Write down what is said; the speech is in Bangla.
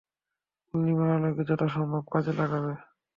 পূর্ণিমার আলোকে যথাসম্ভব কাজে লাগাবে।